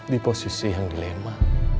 di posisi yang dilema